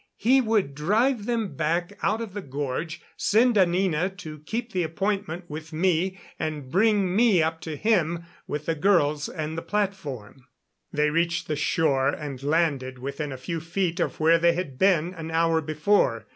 He would drive them back out of the gorge, send Anina to keep the appointment with me and bring me up to him with the girls and the platform. They reached the shore and landed within a few feet of where they had been an hour before.